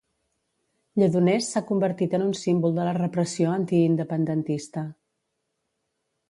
Lledoners s'ha convertit en un símbol de la repressió antiindependentista.